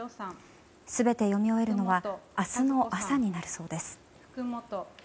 全て読み終えるのは明日の朝になるそうです。